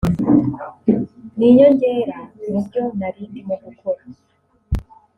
Ni inyongera mu byo nari ndimo gukora